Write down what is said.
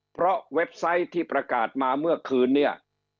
เพราะเว็บไซต์ที่ประกาศมาเมื่อคืนเนี่ย